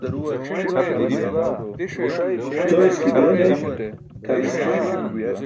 Coniski duro ne tʰamiski ṣi.